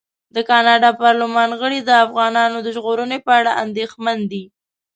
د کاناډا پارلمان غړي د افغانانو د ژغورنې په اړه اندېښمن دي.